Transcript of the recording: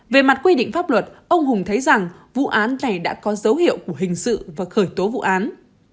về mặt quy định pháp luật ông hùng thấy rằng vụ án này đã có dấu hiệu của hình sự và khởi tố vụ án